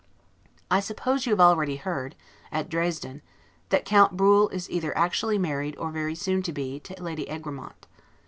I suppose you have already heard, at Dresden, that Count Bruhl is either actually married, or very soon to be so, to Lady Egremont.